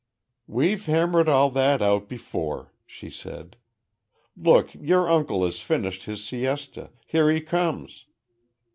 "We've hammered all that out before," she said. "Look, your uncle has finished his siesta. Here he comes."